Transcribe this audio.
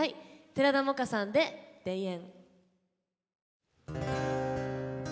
寺田もかさんで「田園」。